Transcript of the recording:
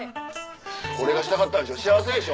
これがしたかったんでしょ幸せでしょ。